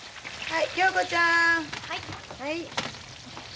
はい。